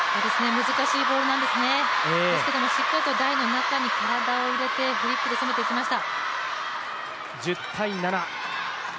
難しいボールなんですね、ですけれども、しっかりと台の中に体を入れて、フリックで攻めていきました。